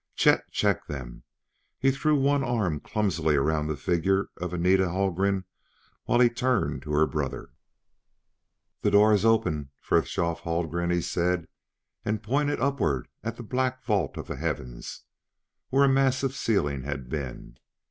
Chet checked them; he threw one arm clumsily around the figure of Anita Haldgren while he turned to her brother. "The door is open, Frithjof Haldgren," he said, and pointed upward at the black vault of the heavens where a massive ceiling had been.